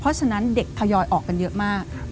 เพราะฉะนั้นเด็กทยอยออกกันเยอะมาก